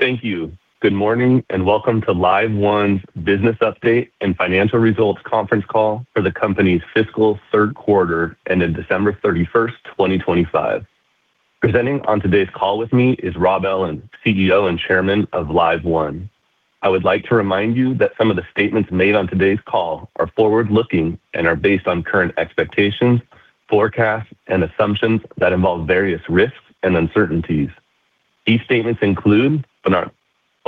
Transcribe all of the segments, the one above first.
Thank you. Good morning, and welcome to LiveOne's Business Update and Financial Results conference call for the company's fiscal third quarter ended December 31, 2025. Presenting on today's call with me is Rob Ellin, CEO and Chairman of LiveOne. I would like to remind you that some of the statements made on today's call are forward-looking and are based on current expectations, forecasts, and assumptions that involve various risks and uncertainties. These statements include, but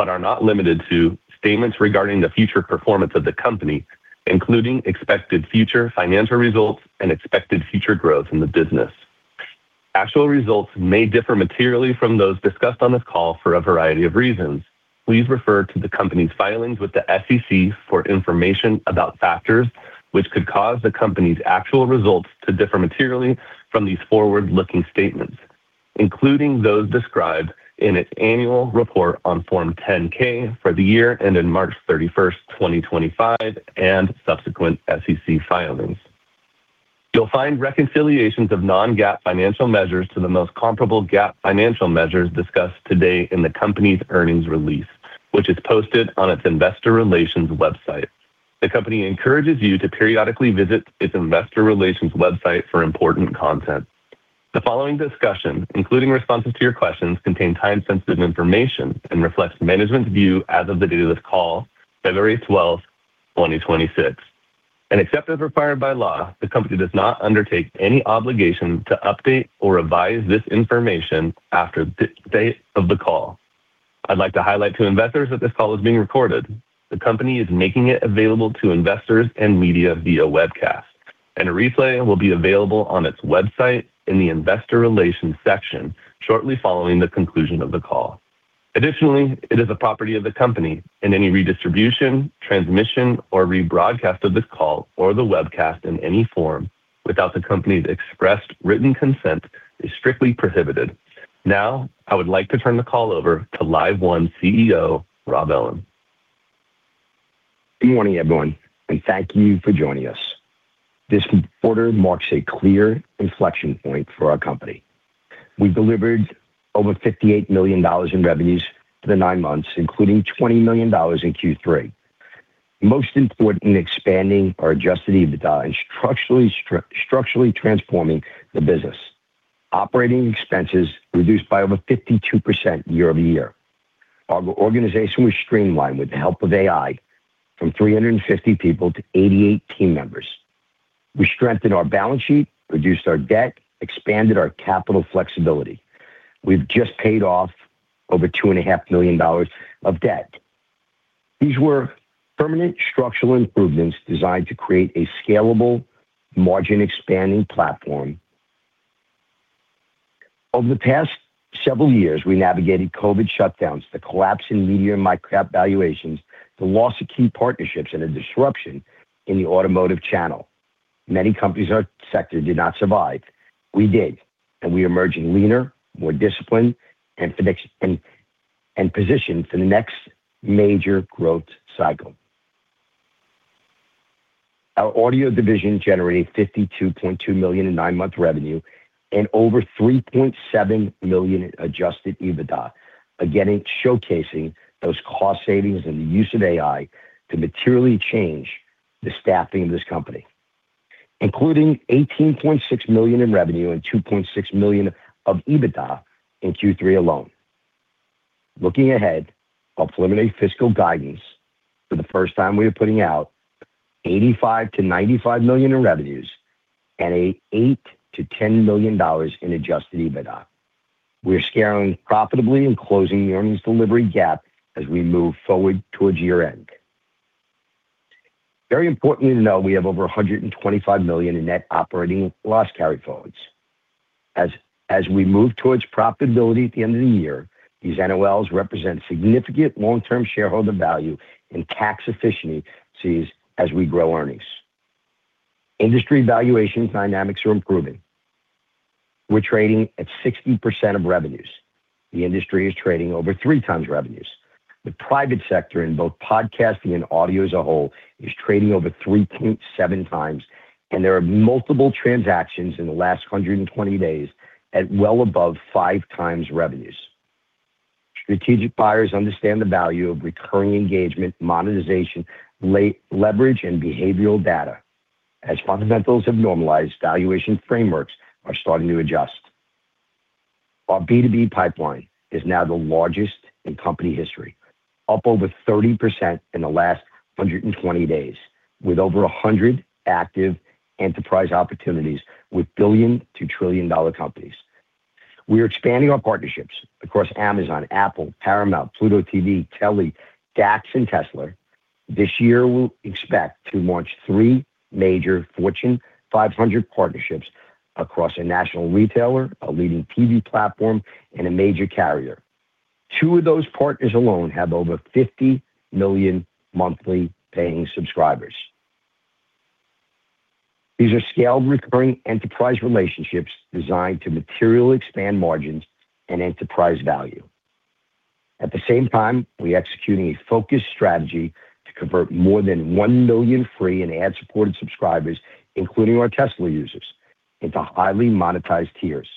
are not limited to statements regarding the future performance of the company, including expected future financial results and expected future growth in the business. Actual results may differ materially from those discussed on this call for a variety of reasons. Please refer to the company's filings with the SEC for information about factors which could cause the company's actual results to differ materially from these forward-looking statements, including those described in its annual report on Form 10-K for the year ended March 31, 2025, and subsequent SEC filings. You'll find reconciliations of non-GAAP financial measures to the most comparable GAAP financial measures discussed today in the company's earnings release, which is posted on its investor relations website. The company encourages you to periodically visit its investor relations website for important content. The following discussion, including responses to your questions, contain time-sensitive information and reflects management's view as of the date of this call, February 12, 2026, and except as required by law, the company does not undertake any obligation to update or revise this information after the date of the call. I'd like to highlight to investors that this call is being recorded. The company is making it available to investors and media via webcast, and a replay will be available on its website in the Investor Relations section shortly following the conclusion of the call. Additionally, it is the property of the company and any redistribution, transmission, or rebroadcast of this call or the webcast in any form without the company's expressed written consent is strictly prohibited. Now, I would like to turn the call over to LiveOne CEO, Rob Ellin. Good morning, everyone, and thank you for joining us. This quarter marks a clear inflection point for our company. We've delivered over $58 million in revenues for the nine months, including $20 million in Q3. Most important, expanding our Adjusted EBITDA and structurally transforming the business. Operating expenses reduced by over 52% year-over-year. Our organization was streamlined with the help of AI from 350 people to 88 team members. We strengthened our balance sheet, reduced our debt, expanded our capital flexibility. We've just paid off over $2.5 million of debt. These were permanent structural improvements designed to create a scalable margin-expanding platform. Over the past several years, we navigated COVID shutdowns, the collapse in media and microcap valuations, the loss of key partnerships, and a disruption in the automotive channel. Many companies in our sector did not survive. We did, and we are emerging leaner, more disciplined, and fixed and positioned for the next major growth cycle. Our audio division generated $52.2 million in nine-month revenue and over $3.7 million in Adjusted EBITDA. Again, it's showcasing those cost savings and the use of AI to materially change the staffing of this company, including $18.6 million in revenue and $2.6 million of EBITDA in Q3 alone. Looking ahead, our preliminary fiscal guidance for the first time, we are putting out $85 million-$95 million in revenues and $8 million-$10 million in Adjusted EBITDA. We're scaling profitably and closing the earnings delivery gap as we move forward towards year-end. Very importantly, to note, we have over $125 million in net operating loss carryforwards. As we move towards profitability at the end of the year, these NOLs represent significant long-term shareholder value and tax efficiencies as we grow earnings. Industry valuation dynamics are improving. We're trading at 60% of revenues. The industry is trading over 3x revenues. The private sector in both podcasting and audio as a whole is trading over 3.7x, and there are multiple transactions in the last 120 days at well above 5x revenues. Strategic buyers understand the value of recurring engagement, monetization, leverage, and behavioral data. As fundamentals have normalized, valuation frameworks are starting to adjust. Our B2B pipeline is now the largest in company history, up over 30% in the last 120 days, with over 100 active enterprise opportunities with billion- to trillion-dollar companies. We are expanding our partnerships across Amazon, Apple, Paramount, Pluto TV, Telly, DAX, and Tesla. This year, we'll expect to launch three major Fortune 500 partnerships across a national retailer, a leading TV platform, and a major carrier. Two of those partners alone have over 50 million monthly paying subscribers. These are scaled, recurring enterprise relationships designed to materially expand margins and enterprise value. At the same time, we are executing a focused strategy to convert more than 1 million free and ad-supported subscribers, including our Tesla users, into highly monetized tiers.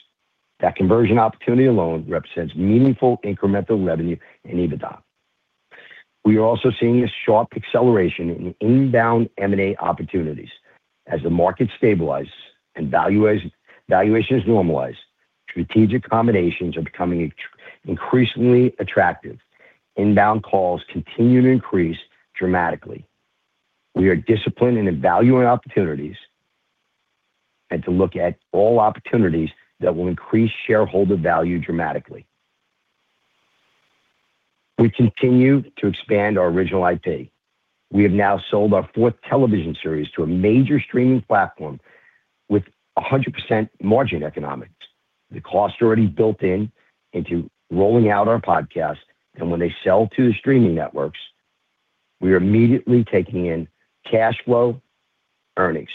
That conversion opportunity alone represents meaningful incremental revenue and EBITDA. We are also seeing a sharp acceleration in inbound M&A opportunities as the market stabilizes and valuations normalize. Strategic combinations are becoming increasingly attractive. Inbound calls continue to increase dramatically. We are disciplined in evaluating opportunities and to look at all opportunities that will increase shareholder value dramatically. We continue to expand our original IP. We have now sold our fourth television series to a major streaming platform with 100% margin economics. The cost already built into rolling out our podcast, and when they sell to the streaming networks, we are immediately taking in cash flow earnings.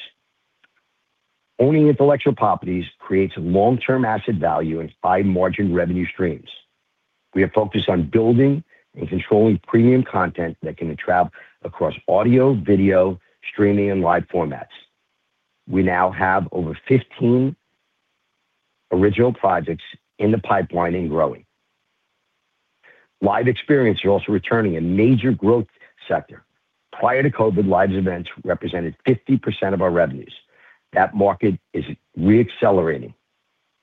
Owning intellectual properties creates long-term asset value and high-margin revenue streams. We are focused on building and controlling premium content that can attract across audio, video, streaming, and live formats. We now have over 15 original projects in the pipeline and growing. Live experiences are also returning, a major growth sector. Prior to COVID, live events represented 50% of our revenues. That market is re-accelerating.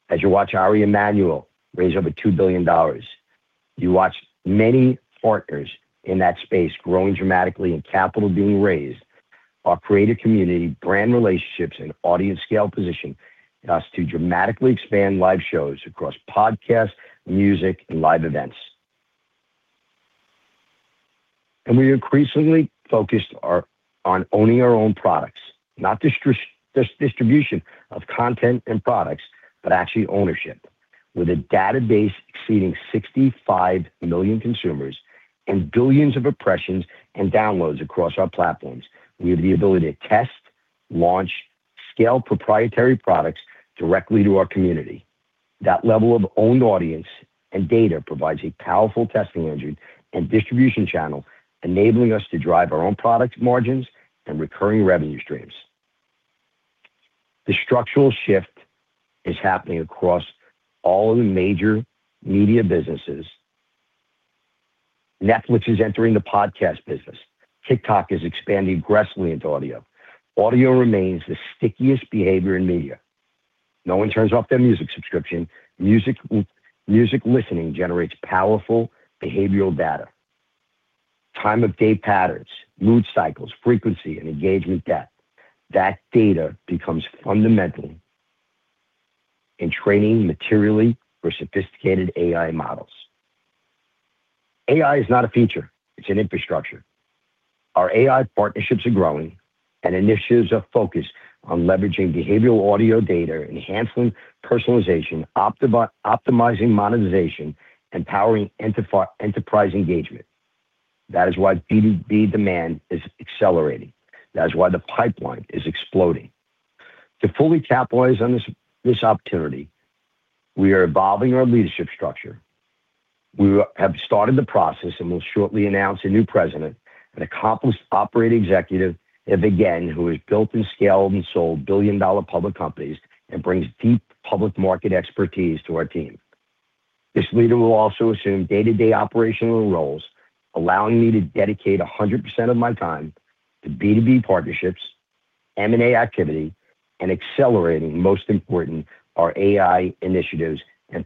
As you watch Ari Emanuel raise over $2 billion, you watch many partners in that space growing dramatically and capital being raised. Our creative community, brand relationships, and audience scale position us to dramatically expand live shows across podcasts, music, and live events. We are increasingly focused on owning our own products, not distribution of content and products, but actually ownership. With a database exceeding 65 million consumers and billions of impressions and downloads across our platforms, we have the ability to test, launch, scale proprietary products directly to our community. That level of owned audience and data provides a powerful testing engine and distribution channel, enabling us to drive our own product margins and recurring revenue streams. The structural shift is happening across all of the major media businesses. Netflix is entering the podcast business. TikTok is expanding aggressively into audio. Audio remains the stickiest behavior in media. No one turns off their music subscription. Music, music listening generates powerful behavioral data, time of day patterns, mood cycles, frequency, and engagement depth. That data becomes fundamental in training materially for sophisticated AI models. AI is not a feature, it's an infrastructure. Our AI partnerships are growing, and initiatives are focused on leveraging behavioral audio data, enhancing personalization, optimizing monetization, and powering enterprise engagement. That is why B2B demand is accelerating. That is why the pipeline is exploding. To fully capitalize on this, this opportunity, we are evolving our leadership structure. We have started the process and will shortly announce a new president, an accomplished operating executive of, again, who has built and scaled and sold billion-dollar public companies and brings deep public market expertise to our team. This leader will also assume day-to-day operational roles, allowing me to dedicate 100% of my time to B2B partnerships, M&A activity, and accelerating, most important, our AI initiatives and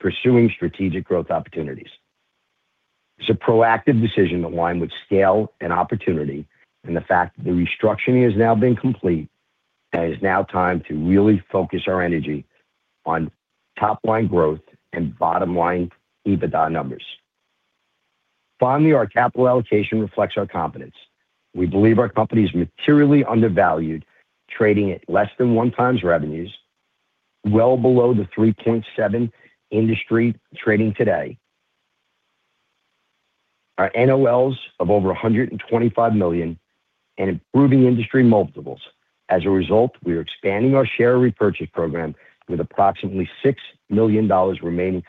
pursuing strategic growth opportunities. It's a proactive decision aligned with scale and opportunity, and the fact that the restructuring has now been complete, and it is now time to really focus our energy on top-line growth and bottom-line EBITDA numbers. Finally, our capital allocation reflects our confidence. We believe our company is materially undervalued, trading at less than 1x revenues, well below the 3.7 industry trading today. Our NOLs of over $125 million and improving industry multiples. As a result, we are expanding our share repurchase program with approximately $6 million remaining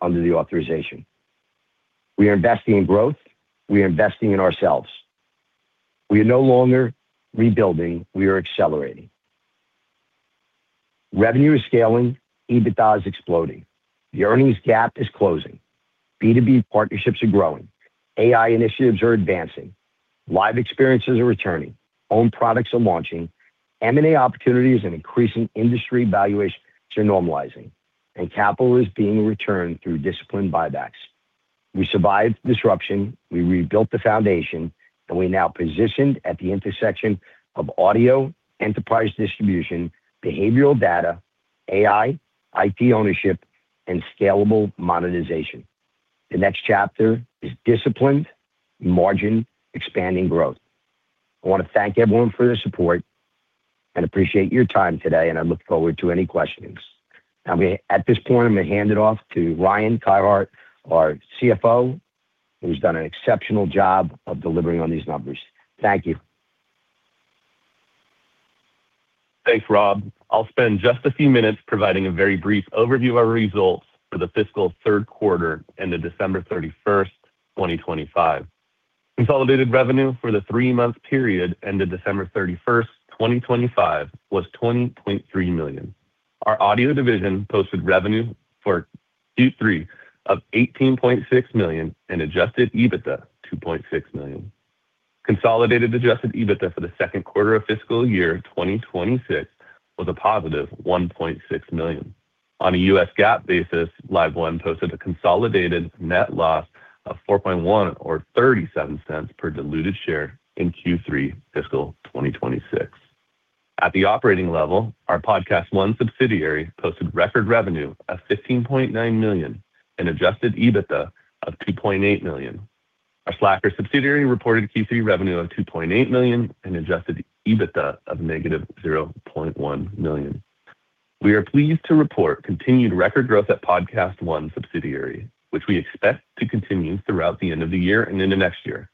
under the authorization. We are investing in growth. We are investing in ourselves. We are no longer rebuilding. We are accelerating. Revenue is scaling, EBITDA is exploding, the earnings gap is closing, B2B partnerships are growing, AI initiatives are advancing, live experiences are returning, own products are launching, M&A opportunities and increasing industry valuations are normalizing, and capital is being returned through disciplined buybacks. We survived disruption, we rebuilt the foundation, and we're now positioned at the intersection of audio, enterprise distribution, behavioral data, AI, IP ownership, and scalable monetization. The next chapter is disciplined, margin, expanding growth. I want to thank everyone for their support and appreciate your time today, and I look forward to any questions. Now, at this point, I'm going to hand it off to Ryan Carhart, our CFO, who's done an exceptional job of delivering on these numbers. Thank you. Thanks, Rob. I'll spend just a few minutes providing a very brief overview of our results for the fiscal third quarter ending December 31, 2025. Consolidated revenue for the three-month period ended December 31, 2025, was $20.3 million. Our audio division posted revenue for Q3 of $18.6 million and adjusted EBITDA, $2.6 million. Consolidated adjusted EBITDA for the second quarter of fiscal year 2026 was a positive $1.6 million. On a U.S. GAAP basis, LiveOne posted a consolidated net loss of $4.1 million or 37 cents per diluted share in Q3 fiscal 2026. At the operating level, our PodcastOne subsidiary posted record revenue of $15.9 million and adjusted EBITDA of $2.8 million. Our Slacker subsidiary reported Q3 revenue of $2.8 million and adjusted EBITDA of negative $0.1 million. We are pleased to report continued record growth at PodcastOne subsidiary, which we expect to continue throughout the end of the year and into next year.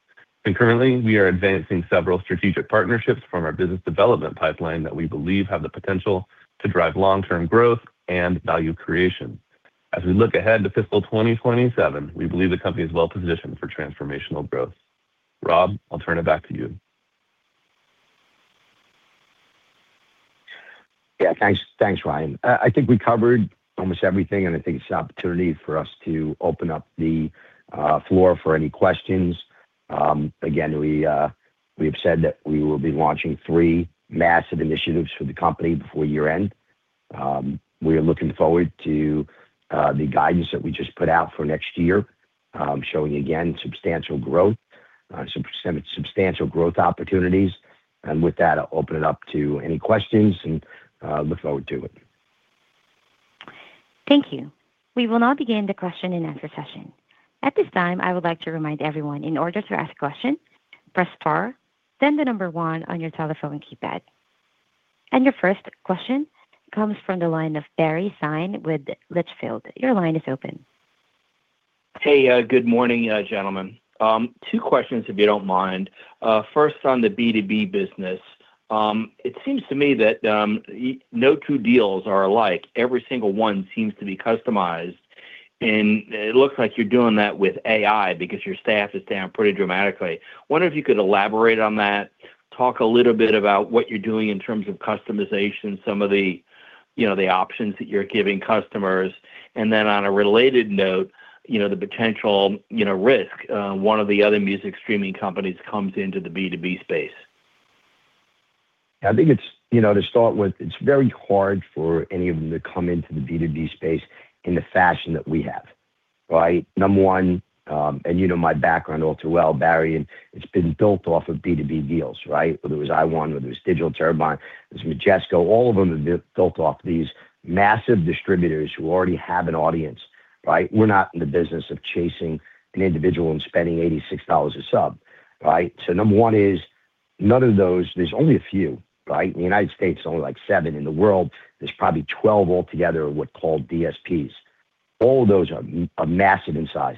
Concurrently, we are advancing several strategic partnerships from our business development pipeline that we believe have the potential to drive long-term growth and value creation. As we look ahead to fiscal 2027, we believe the company is well positioned for transformational growth. Rob, I'll turn it back to you. Yeah, thanks. Thanks, Ryan. I think we covered almost everything, and I think it's an opportunity for us to open up the floor for any questions. Again, we've said that we will be launching three massive initiatives for the company before year-end. We are looking forward to the guidance that we just put out for next year, showing again, substantial growth, substantial growth opportunities. And with that, I'll open it up to any questions and look forward to it. Thank you. We will now begin the question-and-answer session. At this time, I would like to remind everyone, in order to ask a question, press star, then the number one on your telephone keypad. Your first question comes from the line of Barry Sine with Litchfield. Your line is open. Hey, good morning, gentlemen. Two questions, if you don't mind. First, on the B2B business, it seems to me that no two deals are alike. Every single one seems to be customized, and it looks like you're doing that with AI because your staff is down pretty dramatically. Wonder if you could elaborate on that, talk a little bit about what you're doing in terms of customization, some of the, you know, the options that you're giving customers. And then on a related note, you know, the potential, you know, risk, one of the other music streaming companies comes into the B2B space. I think it's, you know, to start with, it's very hard for any of them to come into the B2B space in the fashion that we have, right? Number one, and you know my background all too well, Barry, and it's been built off of B2B deals, right? Whether it was LiveOne, whether it was Digital Turbine, it was Majesco, all of them have been built off these massive distributors who already have an audience, right? We're not in the business of chasing an individual and spending $86 a sub, right? So number one is, none of those. There's only a few, right? In the United States, there's only, like, seven. In the world, there's probably twelve altogether, what called DSPs. All of those are massive in size,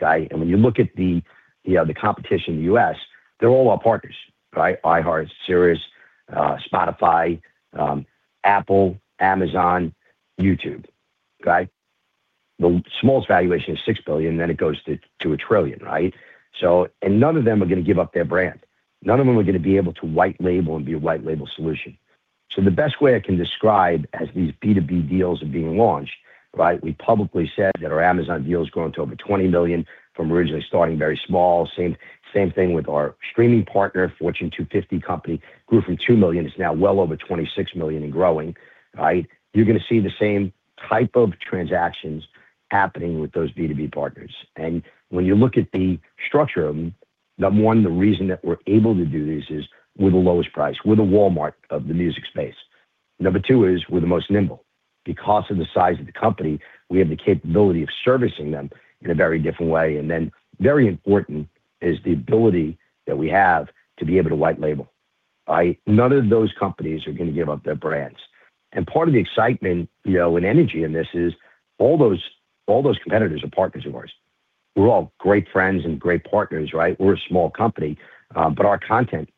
okay? And when you look at the competition in the U.S., they're all our partners, right? iHeart, Sirius, Spotify, Apple, Amazon, YouTube. Okay? The smallest valuation is $6 billion, then it goes to $1 trillion, right? So, and none of them are going to give up their brand. None of them are going to be able to white label and be a white label solution. So the best way I can describe as these B2B deals are being launched, right, we publicly said that our Amazon deal has grown to over $20 million from originally starting very small. Same, same thing with our streaming partner, Fortune 250 company, grew from $2 million, is now well over $26 million and growing, right? You're going to see the same type of transactions happening with those B2B partners. And when you look at the structure of them, number one, the reason that we're able to do this is we're the lowest price. We're the Walmart of the music space. Number two is we're the most nimble. Because of the size of the company, we have the capability of servicing them in a very different way. And then, very important is the ability that we have to be able to white label. Right? None of those companies are going to give up their brands. And part of the excitement, you know, and energy in this is all those, all those competitors are partners of ours. We're all great friends and great partners, right? We're a small company, but our content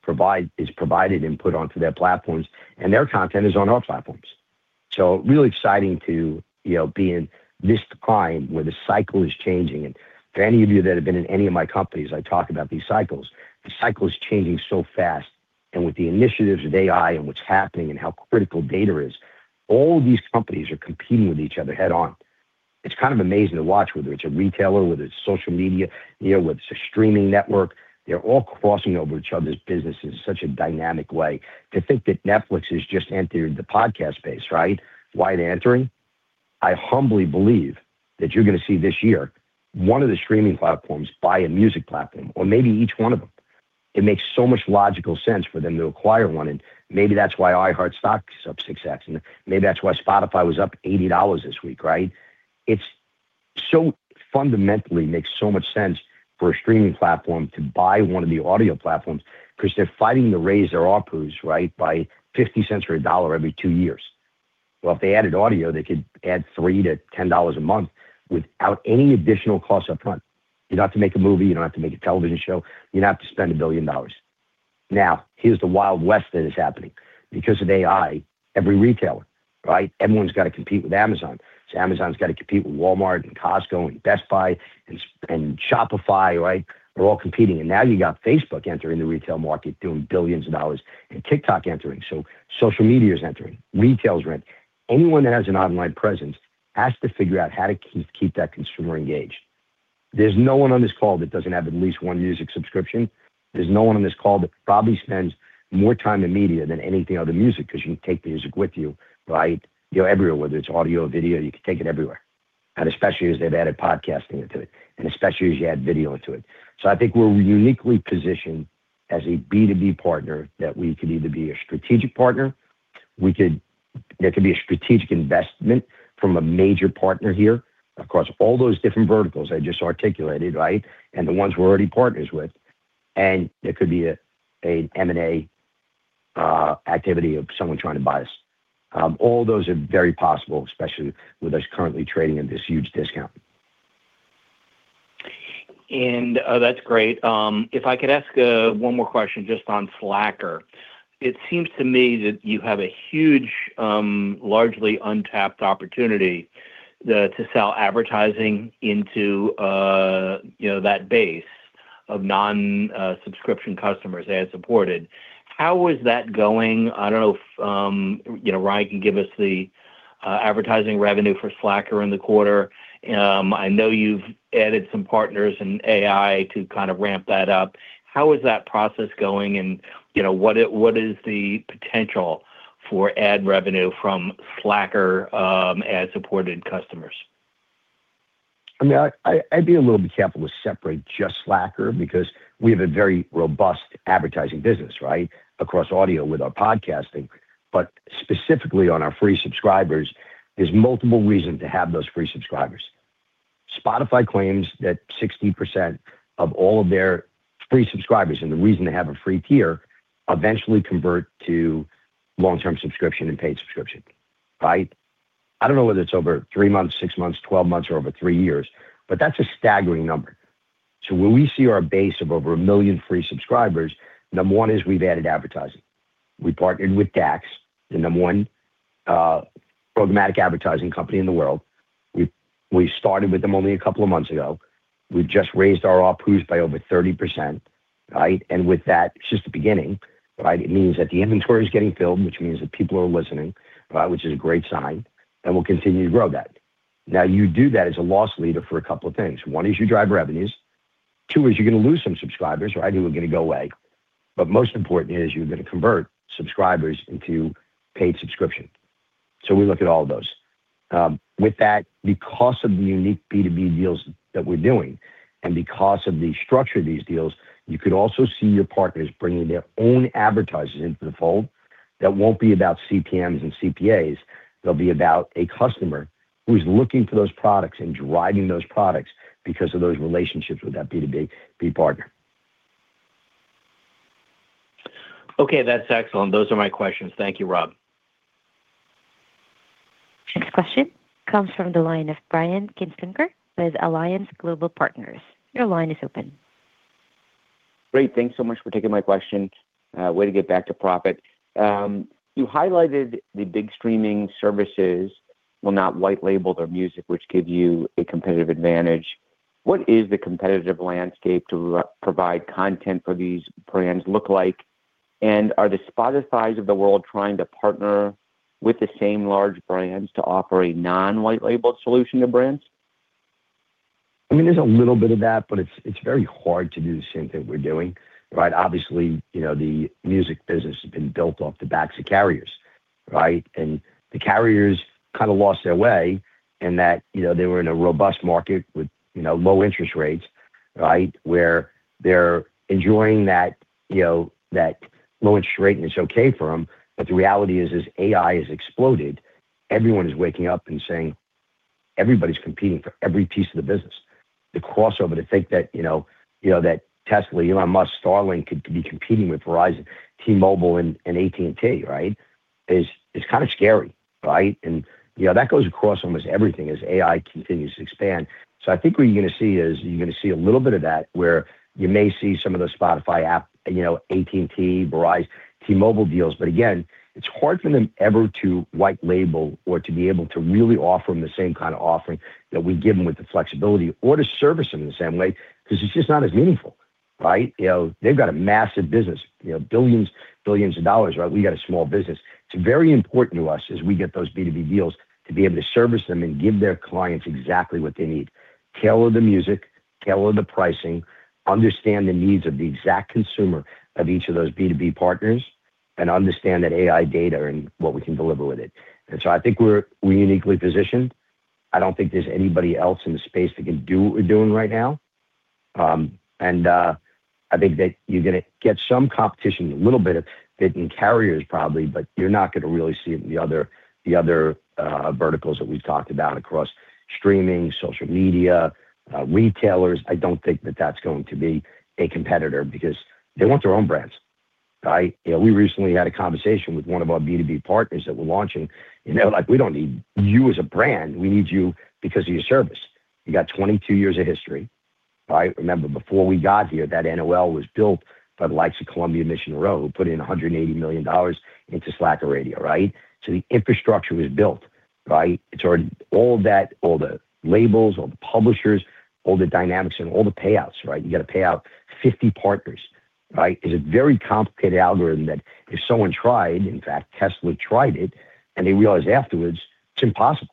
is provided and put onto their platforms, and their content is on our platforms. So really exciting to, you know, be in this decline where the cycle is changing. And for any of you that have been in any of my companies, I talk about these cycles. The cycle is changing so fast, and with the initiatives of AI and what's happening and how critical data is, all these companies are competing with each other head-on. It's kind of amazing to watch, whether it's a retailer, whether it's social media, you know, whether it's a streaming network, they're all crossing over each other's businesses in such a dynamic way. To think that Netflix has just entered the podcast space, right? Why entering? I humbly believe that you're going to see this year, one of the streaming platforms buy a music platform or maybe each one of them. It makes so much logical sense for them to acquire one, and maybe that's why iHeart stock is up 6x, and maybe that's why Spotify was up $80 this week, right? It's so fundamentally makes so much sense for a streaming platform to buy one of the audio platforms because they're fighting to raise their ARPUs, right, by $0.50 or $1 every two years. Well, if they added audio, they could add $3-$10 a month without any additional costs up front. You don't have to make a movie, you don't have to make a television show, you don't have to spend $1 billion.... Now, here's the Wild West that is happening because of AI, every retailer, right? Everyone's got to compete with Amazon. So Amazon's got to compete with Walmart, and Costco, and Best Buy, and Shein and Shopify, right? They're all competing. And now you got Facebook entering the retail market, doing billions of dollars, and TikTok entering. So social media is entering, retail is entering. Anyone that has an online presence has to figure out how to keep that consumer engaged. There's no one on this call that doesn't have at least one music subscription. There's no one on this call that probably spends more time in media than anything other than music, 'cause you can take music with you, right? You know, everywhere, whether it's audio or video, you can take it everywhere, and especially as they've added podcasting into it, and especially as you add video into it. So I think we're uniquely positioned as a B2B partner, that we could either be a strategic partner, we could, there could be a strategic investment from a major partner here across all those different verticals I just articulated, right? And the ones we're already partners with, and it could be a M&A activity of someone trying to buy us. All those are very possible, especially with us currently trading at this huge discount. That's great. If I could ask one more question just on Slacker. It seems to me that you have a huge largely untapped opportunity to sell advertising into, you know, that base of non-subscription customers, ad-supported. How is that going? I don't know if you know, Ryan can give us the advertising revenue for Slacker in the quarter. I know you've added some partners in AI to kind of ramp that up. How is that process going? And, you know, what is, what is the potential for ad revenue from Slacker ad-supported customers? I mean, I'd be a little bit careful to separate just Slacker, because we have a very robust advertising business, right, across audio with our podcasting. But specifically on our free subscribers, there's multiple reasons to have those free subscribers. Spotify claims that 60% of all of their free subscribers, and the reason they have a free tier, eventually convert to long-term subscription and paid subscription, right? I don't know whether it's over three months, six months, 12 months, or over three years, but that's a staggering number. So when we see our base of over 1 million free subscribers, number one is we've added advertising. We partnered with DAX, the number one programmatic advertising company in the world. We started with them only a couple of months ago. We've just raised our offerings by over 30%, right? With that, it's just the beginning, right? It means that the inventory is getting filled, which means that people are listening, which is a great sign, and we'll continue to grow that. Now, you do that as a loss leader for a couple of things. One, is you drive revenues. Two, is you're going to lose some subscribers, right, who are going to go away. But most important is you're going to convert subscribers into paid subscription. So we look at all of those. With that, because of the unique B2B deals that we're doing, and because of the structure of these deals, you could also see your partners bringing their own advertisers into the fold that won't be about CPMs and CPAs. They'll be about a customer who's looking for those products and driving those products because of those relationships with that B2B partner. Okay, that's excellent. Those are my questions. Thank you, Rob. Next question comes from the line of Brian Kinstlinger with Alliance Global Partners. Your line is open. Great. Thanks so much for taking my question. Way to get back to profit. You highlighted the big streaming services will not white label their music, which give you a competitive advantage. What is the competitive landscape to provide content for these brands look like? And are the Spotifys of the world trying to partner with the same large brands to offer a non-white label solution to brands? I mean, there's a little bit of that, but it's, it's very hard to do the same thing we're doing, right? Obviously, you know, the music business has been built off the backs of carriers, right? And the carriers kind of lost their way in that, you know, they were in a robust market with, you know, low interest rates, right? Where they're enjoying that, you know, that low interest rate, and it's okay for them. But the reality is, as AI has exploded, everyone is waking up and saying, everybody's competing for every piece of the business. The crossover to think that, you know, you know, that Tesla, Elon Musk, Starlink, could be competing with Verizon, T-Mobile, and, and AT&T, right? Is, it's kind of scary, right? And, you know, that goes across almost everything as AI continues to expand. So I think what you're gonna see is, you're gonna see a little bit of that, where you may see some of those Spotify app, you know, AT&T, Verizon, T-Mobile deals. But again, it's hard for them ever to white label or to be able to really offer them the same kind of offering that we give them with the flexibility or to service them in the same way, 'cause it's just not as meaningful, right? You know, they've got a massive business, you know, $ billions, $ billions, right? We got a small business. It's very important to us as we get those B2B deals to be able to service them and give their clients exactly what they need. Tailor the music, tailor the pricing, understand the needs of the exact consumer of each of those B2B partners, and understand that AI data and what we can deliver with it. And so I think we're uniquely positioned. I don't think there's anybody else in the space that can do what we're doing right now. I think that you're gonna get some competition, a little bit of it in carriers probably, but you're not gonna really see it in the other verticals that we've talked about across streaming, social media, retailers. I don't think that that's going to be a competitor because they want their own brands, right? You know, we recently had a conversation with one of our B2B partners that we're launching, and they're like: "We don't need you as a brand. We need you because of your service."... You got 22 years of history, right? Remember, before we got here, that NOL was built by the likes of Columbia Capital, who put in $180 million into Slacker Radio, right? So the infrastructure was built, right? It's already all that, all the labels, all the publishers, all the dynamics, and all the payouts, right? You got to pay out 50 partners, right? It's a very complicated algorithm that if someone tried, in fact, Tesla tried it, and they realized afterwards it's impossible.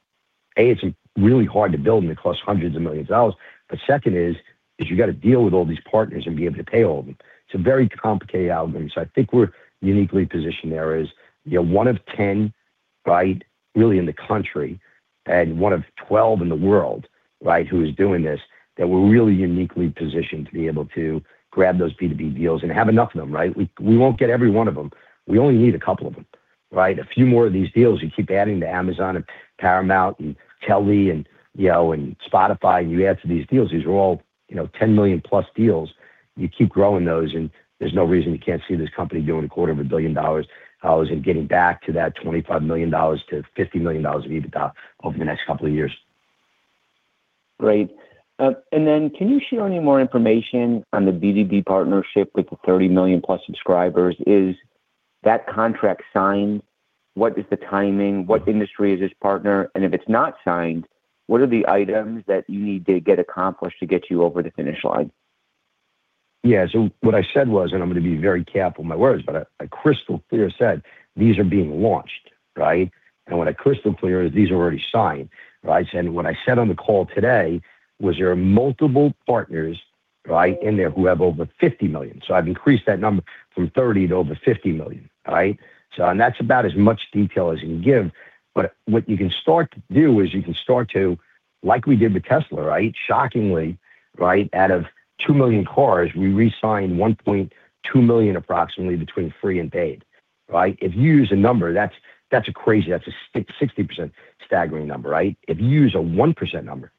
A, it's really hard to build, and it costs hundreds of millions of dollars. But second is, is you got to deal with all these partners and be able to pay all of them. It's a very complicated algorithm, so I think we're uniquely positioned. There is, you know, one of 10, right, really in the country, and one of 12 in the world, right, who is doing this, that we're really uniquely positioned to be able to grab those B2B deals and have enough of them, right? We, we won't get every one of them. We only need a couple of them, right? A few more of these deals, you keep adding to Amazon and Paramount and Telly and, you know, and Spotify, and you add to these deals. These are all, you know, $10 million+ deals. You keep growing those, and there's no reason you can't see this company doing a quarter of a billion dollars, dollars, and getting back to that $25 million-$50 million of EBITDA over the next couple of years. Great. And then can you share any more information on the B2B partnership with the 30 million+ subscribers? Is that contract signed? What is the timing? What industry is this partner? And if it's not signed, what are the items that you need to get accomplished to get you over the finish line? Yeah. So what I said was, and I'm going to be very careful with my words, but I, I crystal clear said these are being launched, right? And what I crystal clear is these are already signed, right? And what I said on the call today was there are multiple partners, right, in there who have over 50 million. So I've increased that number from 30 to over 50 million, right? So and that's about as much detail as you can give. But what you can start to do is you can start to like we did with Tesla, right? Shockingly, right out of 2 million cars, we resigned 1.2 million, approximately between free and paid, right? If you use a number, that's, that's a crazy... That's a 60, 60% staggering number, right? If you use a 1% number,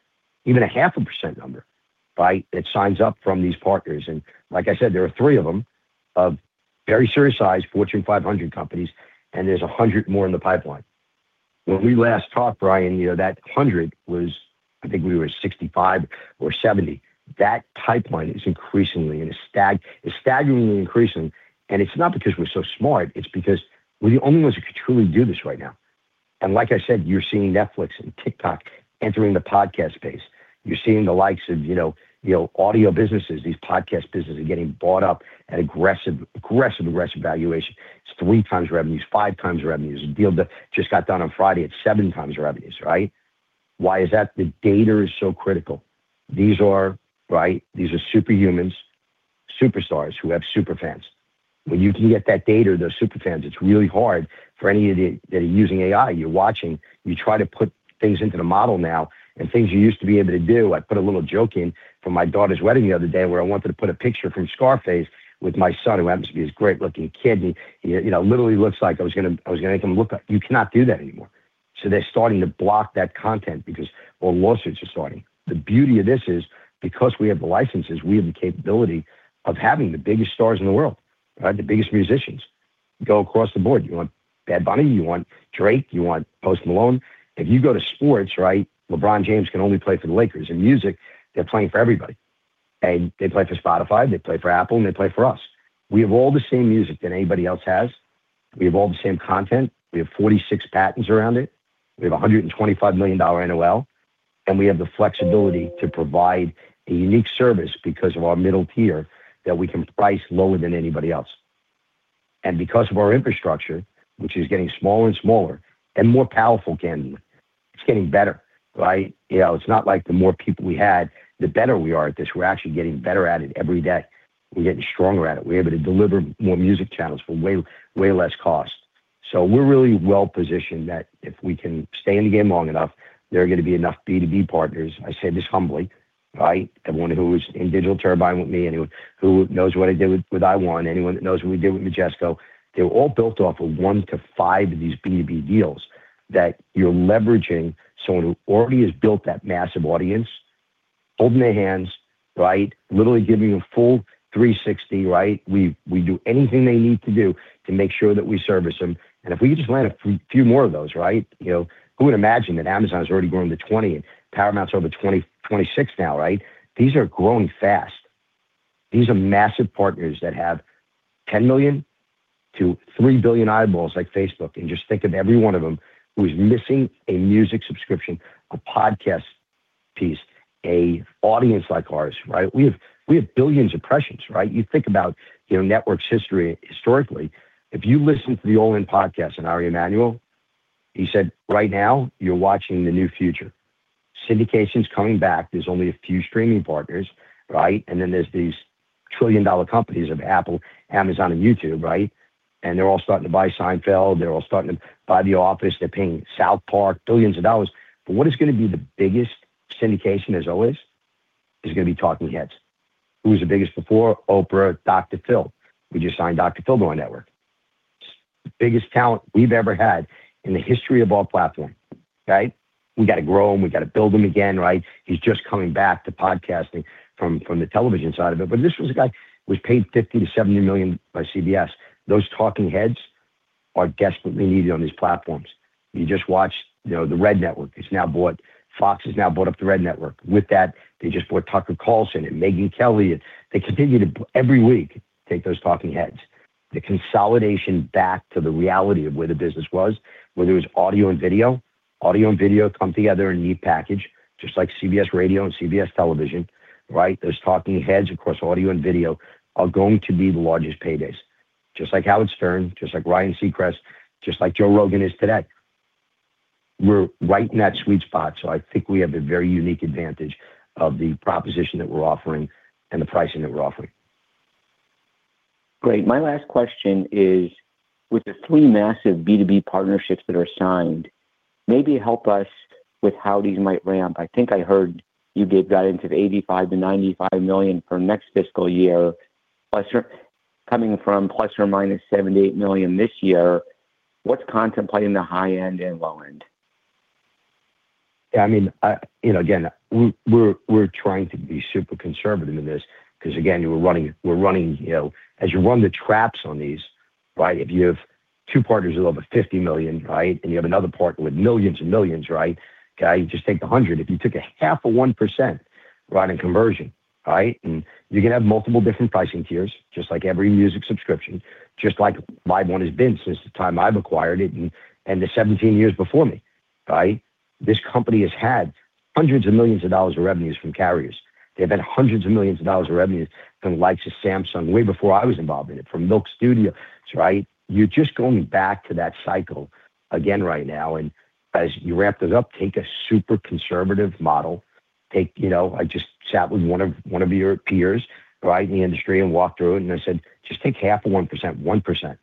even a 0.5% number, right, it signs up from these partners, and like I said, there are three of them, of very serious size, Fortune 500 companies, and there's 100 more in the pipeline. When we last talked, Brian, you know, that 100 was, I think, 65 or 70. That pipeline is increasingly and is staggeringly increasing. And it's not because we're so smart, it's because we're the only ones who can truly do this right now. And like I said, you're seeing Netflix and TikTok entering the podcast space. You're seeing the likes of, you know, you know, audio businesses, these podcast businesses are getting bought up at aggressive, aggressive, aggressive valuation. It's 3x revenues, 5x revenues. A deal that just got done on Friday at 7x revenues, right? Why is that? The data is so critical. These are, right, these are superhumans, superstars who have super fans. When you can get that data, those super fans, it's really hard for any of you that are using AI. You're watching, you try to put things into the model now, and things you used to be able to do—I put a little joke in from my daughter's wedding the other day, where I wanted to put a picture from Scarface with my son, who happens to be this great-looking kid. He, you know, literally looks like I was gonna, I was gonna make him look like... You cannot do that anymore. So they're starting to block that content because, well, lawsuits are starting. The beauty of this is because we have the licenses, we have the capability of having the biggest stars in the world, right? The biggest musicians go across the board. You want Bad Bunny, you want Drake, you want Post Malone. If you go to sports, right, LeBron James can only play for the Lakers. In music, they're playing for everybody. And they play for Spotify, they play for Apple, and they play for us. We have all the same music that anybody else has. We have all the same content. We have 46 patents around it. We have a $125 million NOL, and we have the flexibility to provide a unique service because of our middle tier, that we can price lower than anybody else. And because of our infrastructure, which is getting smaller and smaller and more powerful, it's getting better, right? You know, it's not like the more people we had, the better we are at this. We're actually getting better at it every day. We're getting stronger at it. We're able to deliver more music channels for way, way less cost. So we're really well-positioned that if we can stay in the game long enough, there are going to be enough B2B partners. I say this humbly, right? Everyone who was in Digital Turbine with me, anyone who knows what I did with LiveOne, anyone that knows what we did with Majesco, they were all built off of one to five of these B2B deals, that you're leveraging someone who already has built that massive audience, hold their hands, right? Literally give you a full 360, right? We, we do anything they need to do to make sure that we service them. And if we could just land a few, few more of those, right? You know, who would imagine that Amazon has already grown to 20 and Paramount's over 20, 26 now, right? These are growing fast. These are massive partners that have 10 million-3 billion eyeballs like Facebook. And just think of every one of them who is missing a music subscription, a podcast piece, an audience like ours, right? We have, we have billions of impressions, right? You think about, you know, networks history historically. If you listen to the All-In Podcast and Ari Emanuel, he said, "Right now, you're watching the new future." Syndication's coming back. There's only a few streaming partners, right? And then there's these trillion-dollar companies of Apple, Amazon, and YouTube, right? And they're all starting to buy Seinfeld. They're all starting to buy The Office. They're paying South Park billions of dollars. But what is going to be the biggest syndication, as always, is going to be talking heads. Who was the biggest before? Oprah, Dr. Phil. We just signed Dr. Phil to our network, the biggest talent we've ever had in the history of our platform, right? We got to grow him. We got to build him again, right? He's just coming back to podcasting from, from the television side of it. But this was a guy who was paid $50 million-$70 million by CBS. Those talking heads are desperately needed on these platforms. You just watch, you know, the Red Network is now bought. Fox has now bought up the Red Network. With that, they just bought Tucker Carlson and Megyn Kelly, and they continue to, every week, take those talking heads. The consolidation back to the reality of where the business was, whether it was audio and video, audio and video come together in a neat package, just like CBS Radio and CBS Television, right? Those talking heads across audio and video are going to be the largest paydays, just like Howard Stern, just like Ryan Seacrest, just like Joe Rogan is today. We're right in that sweet spot, so I think we have a very unique advantage of the proposition that we're offering and the pricing that we're offering. Great. My last question is, with the three massive B2B partnerships that are signed, maybe help us with how these might ramp. I think I heard you give guidance of $85 million-$95 million for next fiscal year. Plus, coming from ±$78 million this year, what's contemplating the high end and low end? Yeah, I mean, you know, again, we're trying to be super conservative in this because, again, we're running... You know, as you run the traps on these, right? If you have two partners with over 50 million, right? And you have another partner with millions and millions, right? Okay, you just take 100. If you took a half of one percent running conversion, right? And you can have multiple different pricing tiers, just like every music subscription, just like LiveOne has been since the time I've acquired it and the 17 years before me, right? This company has had $hundreds of millions of revenues from carriers. They've had $hundreds of millions of revenues from the likes of Samsung, way before I was involved in it, from Milk Music, right? You're just going back to that cycle again right now, and as you wrap this up, take a super conservative model. Take... You know, I just chat with one of, one of your peers, right, in the industry and walked through it, and I said, "Just take half of one percent, one percent,"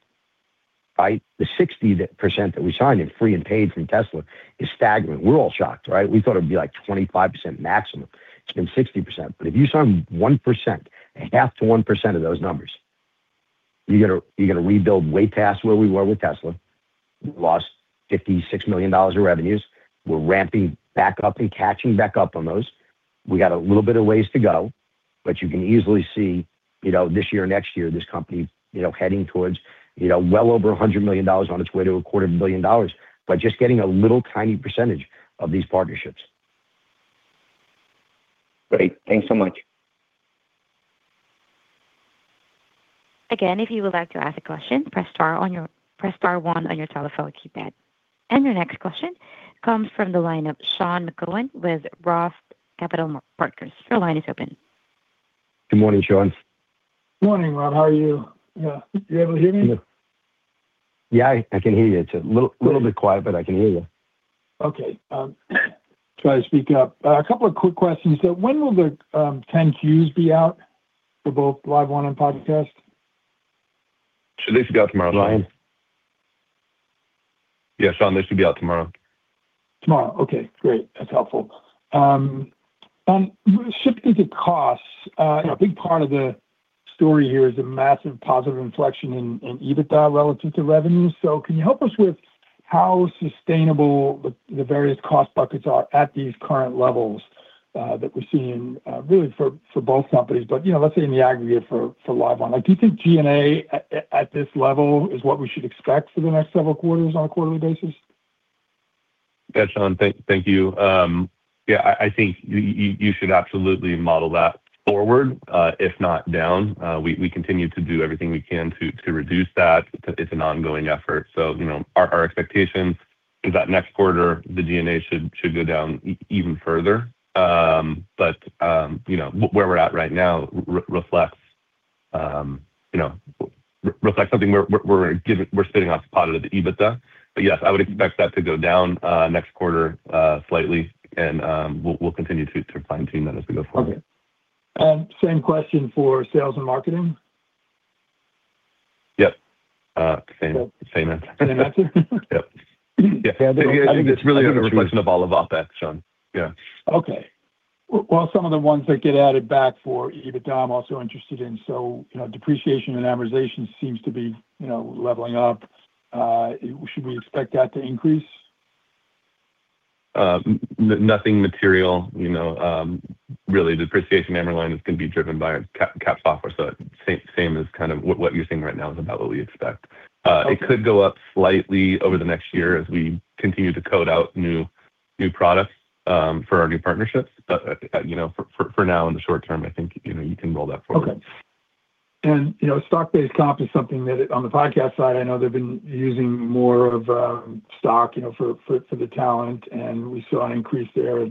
right? The 60% that we signed in free and paid from Tesla is staggering. We're all shocked, right? We thought it'd be, like, 25% maximum, and 60%. But if you sign one percent, a half to one percent of those numbers, you're gonna, you're gonna rebuild way past where we were with Tesla. We lost $56 million of revenues. We're ramping back up and catching back up on those. We got a little bit of ways to go, but you can easily see, you know, this year or next year, this company, you know, heading towards, you know, well over $100 million on its way to $250 million by just getting a little tiny percentage of these partnerships. Great. Thanks so much. Again, if you would like to ask a question, press star one on your telephone keypad. Your next question comes from the line of Sean McGowan with Roth Capital Partners. Your line is open. Good morning, Sean. Morning, Rob. How are you? You able to hear me? Yeah, I can hear you. It's a little, little bit quiet, but I can hear you. Okay, try to speak up. A couple of quick questions. So when will the 10-Qs be out for both LiveOne and PodcastOne? They should be out tomorrow, Sean. Yeah, Sean, they should be out tomorrow. Tomorrow. Okay, great. That's helpful. Shifting to costs, you know, a big part of the story here is a massive positive inflection in EBITDA relative to revenue. So can you help us with how sustainable the various cost buckets are at these current levels that we're seeing, really for both companies, but, you know, let's say in the aggregate for LiveOne? Like, do you think G&A at this level is what we should expect for the next several quarters on a quarterly basis? Yeah, Sean. Thank you. Yeah, I think you should absolutely model that forward, if not down. We continue to do everything we can to reduce that. It's an ongoing effort. So, you know, our expectation is that next quarter, the G&A should go down even further. But, you know, where we're at right now reflects something we're giving - we're spinning off the positive, the EBITDA. But yes, I would expect that to go down next quarter slightly, and we'll continue to fine-tune that as we go forward. Okay. Same question for sales and marketing? Yep. Same, same answer. Same answer? Yep. Yeah. Yeah. It's really a reflection of all of OpEx, Sean. Yeah. Okay. Well, some of the ones that get added back for EBITDA, I'm also interested in. So, you know, depreciation and amortization seems to be, you know, leveling up. Should we expect that to increase? Nothing material, you know, really, the depreciation and amortization line is going to be driven by Cap software, so same, same as kind of what, what you're seeing right now is about what we expect. Okay. It could go up slightly over the next year as we continue to code out new products for our new partnerships. You know, for now, in the short term, I think, you know, you can roll that forward. Okay. You know, stock-based comp is something that on the podcast side, I know they've been using more of, stock, you know, for the talent, and we saw an increase there.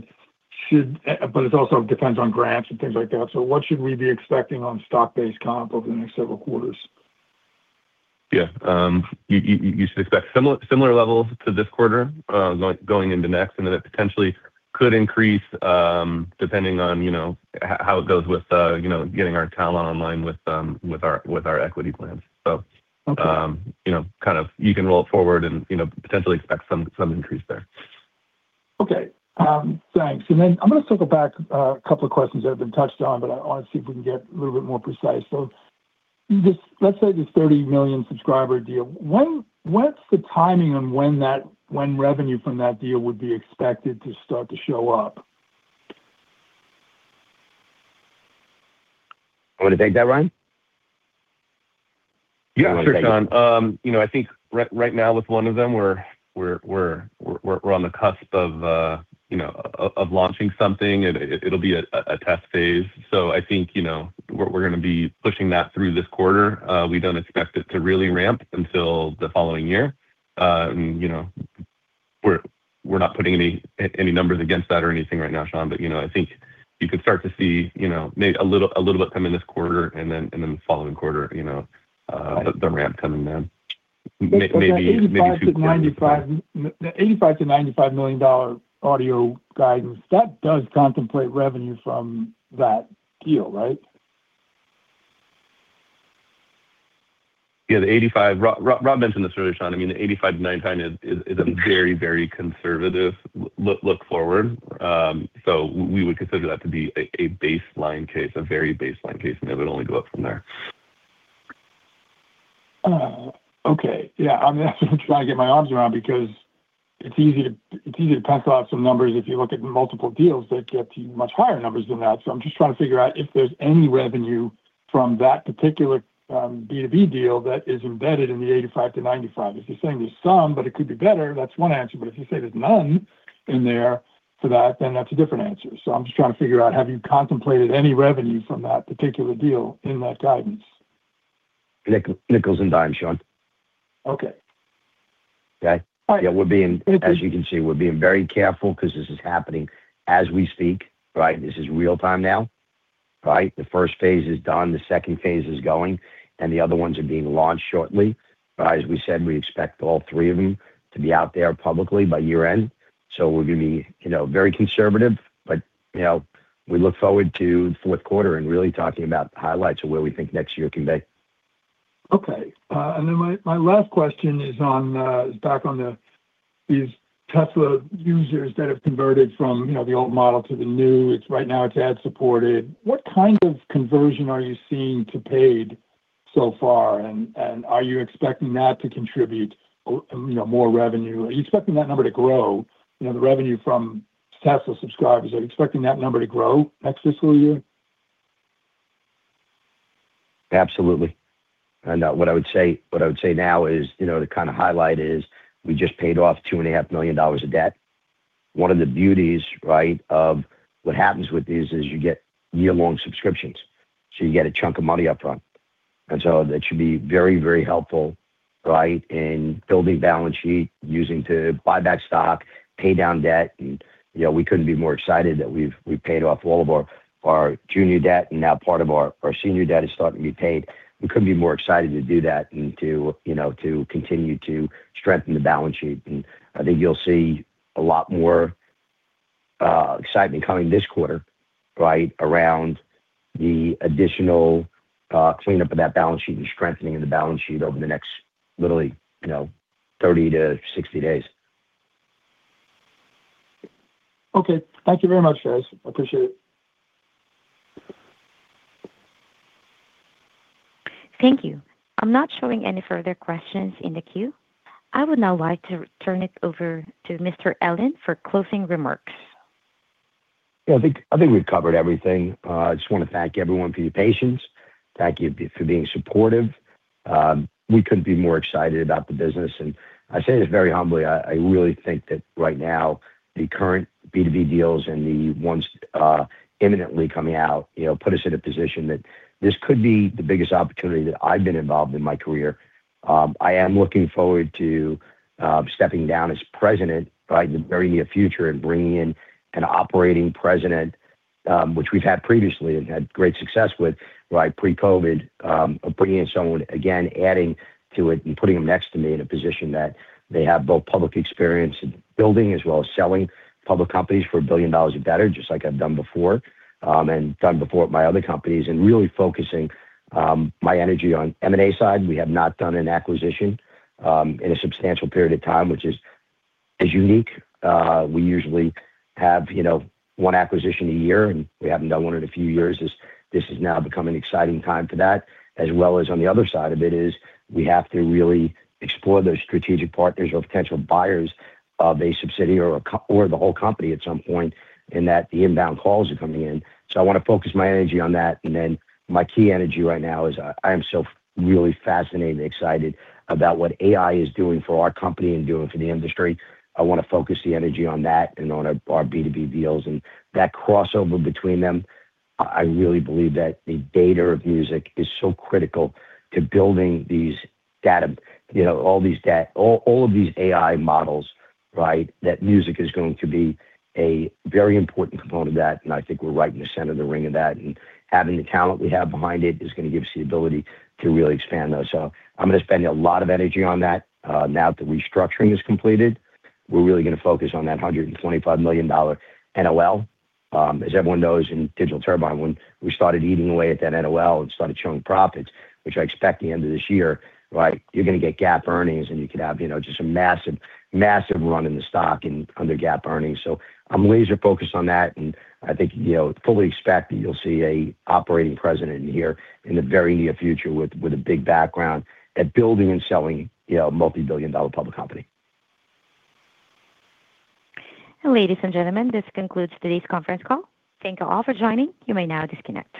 But it also depends on grants and things like that. So what should we be expecting on stock-based comp over the next several quarters? Yeah. You should expect similar levels to this quarter, going into next, and then it potentially could increase, depending on, you know, how it goes with, you know, getting our talent online with our equity plan. So- Okay. You know, kind of you can roll it forward and, you know, potentially expect some increase there. Okay. Thanks. And then I'm gonna circle back a couple of questions that have been touched on, but I want to see if we can get a little bit more precise. So this—let's say this 30 million subscriber deal, what's the timing on when that, when revenue from that deal would be expected to start to show up?... You want to take that, Ryan? Yeah, sure, Sean. You know, I think right now with one of them, we're on the cusp of, you know, of launching something, and it'll be a test phase. So I think, you know, we're gonna be pushing that through this quarter. We don't expect it to really ramp until the following year. And, you know, we're not putting any numbers against that or anything right now, Sean, but, you know, I think you could start to see, you know, maybe a little bit come in this quarter, and then the following quarter, you know, the ramp coming down. Maybe- $85-$95... $85-$95 million dollar audio guidance, that does contemplate revenue from that deal, right? Yeah, the 85. Rob mentioned this earlier, Sean. I mean, the 85-95 is a very, very conservative look forward. So we would consider that to be a baseline case, a very baseline case, and it would only go up from there. Okay. Yeah, I'm just trying to get my arms around because it's easy to pencil out some numbers if you look at multiple deals that get to much higher numbers than that. So I'm just trying to figure out if there's any revenue from that particular B2B deal that is embedded in the 85-95. If you're saying there's some, but it could be better, that's one answer, but if you say there's none in there for that, then that's a different answer. So I'm just trying to figure out, have you contemplated any revenue from that particular deal in that guidance? Nickels and dimes, Sean. Okay. Okay? All right. Yeah, we're being, As you can see, we're being very careful 'cause this is happening as we speak, right? This is real-time now, right? The first phase is done, the second phase is going, and the other ones are being launched shortly. As we said, we expect all three of them to be out there publicly by year-end. So we're gonna be, you know, very conservative, but, you know, we look forward to the fourth quarter and really talking about the highlights of where we think next year can be. Okay. And then my, my last question is on, back on the, these Tesla users that have converted from, you know, the old model to the new. It's right now, it's ad-supported. What kind of conversion are you seeing to paid so far, and, and are you expecting that to contribute, you know, more revenue? Are you expecting that number to grow, you know, the revenue from Tesla subscribers, are you expecting that number to grow next fiscal year? Absolutely. What I would say, what I would say now is, you know, the kind of highlight is we just paid off $2.5 million of debt. One of the beauties, right, of what happens with these is you get year-long subscriptions, so you get a chunk of money upfront. And so that should be very, very helpful, right, in building balance sheet, using to buy back stock, pay down debt. And, you know, we couldn't be more excited that we've, we've paid off all of our, our junior debt, and now part of our, our senior debt is starting to be paid. We couldn't be more excited to do that and to, you know, to continue to strengthen the balance sheet. I think you'll see a lot more excitement coming this quarter, right, around the additional cleanup of that balance sheet and strengthening of the balance sheet over the next literally, you know, 30-60 days. Okay. Thank you very much, guys. I appreciate it. Thank you. I'm not showing any further questions in the queue. I would now like to turn it over to Mr. Ellin for closing remarks. Yeah, I think we've covered everything. I just wanna thank everyone for your patience. Thank you for being supportive. We couldn't be more excited about the business, and I say this very humbly, I really think that right now, the current B2B deals and the ones imminently coming out, you know, put us in a position that this could be the biggest opportunity that I've been involved in my career. I am looking forward to stepping down as president, right, in the very near future and bringing in an operating president, which we've had previously and had great success with, right, pre-COVID. Bringing in someone, again, adding to it and putting them next to me in a position that they have both public experience in building as well as selling public companies for $1 billion or better, just like I've done before, and done before at my other companies, and really focusing my energy on M&A side. We have not done an acquisition in a substantial period of time, which is unique. We usually have, you know, one acquisition a year, and we haven't done one in a few years. This has now become an exciting time for that, as well as on the other side of it is, we have to really explore those strategic partners or potential buyers of a subsidiary or a co- or the whole company at some point, and that the inbound calls are coming in. So I wanna focus my energy on that, and then my key energy right now is I, I am so really fascinated and excited about what AI is doing for our company and doing for the industry. I wanna focus the energy on that and on our, our B2B deals and that crossover between them. I, I really believe that the data of music is so critical to building these data... You know, all these data - all, all of these AI models, right? That music is going to be a very important component of that, and I think we're right in the center of the ring of that, and having the talent we have behind it is gonna give us the ability to really expand those. So I'm gonna spend a lot of energy on that. Now that the restructuring is completed, we're really gonna focus on that $125 million NOL. As everyone knows, in Digital Turbine, when we started eating away at that NOL and started showing profits, which I expect the end of this year, right, you're gonna get GAAP earnings, and you could have, you know, just a massive, massive run in the stock and under GAAP earnings. So I'm laser focused on that, and I think, you know, fully expect that you'll see a operating president in here in the very near future with, with a big background at building and selling, you know, a multi-billion dollar public company. Ladies and gentlemen, this concludes today's conference call. Thank you all for joining. You may now disconnect.